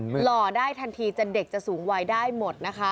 หล่อได้ทันทีจะเด็กจะสูงวัยได้หมดนะคะ